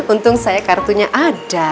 untung saya kartunya ada